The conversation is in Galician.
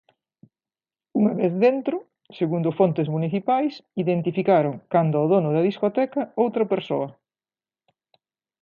Unha vez dentro, segundo fontes municipais, identificaron, canda o dono da discoteca, outra persoa.